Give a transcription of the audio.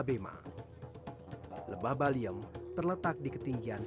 sejarah lembah baliem tentu berawal jauh dari kisah kisah yang terdiri di papua